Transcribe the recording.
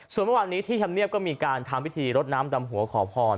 ส่วนเมื่อวานนี้ที่ธรรมเนียบก็มีการทำพิธีรดน้ำดำหัวขอพร